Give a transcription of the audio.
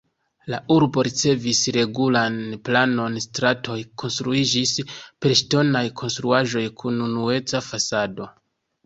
La urbo ricevis regulan planon, stratoj konstruiĝis per ŝtonaj konstruaĵoj kun unueca fasado.